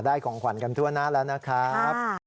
ของขวัญกันทั่วหน้าแล้วนะครับ